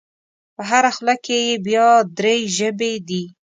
په هره خوله کې یې بیا درې ژبې دي.